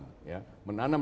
menanam dan menanam